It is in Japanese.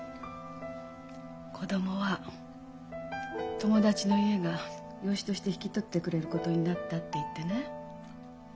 「子供は友達の家が養子として引き取ってくれることになった」って言ってね。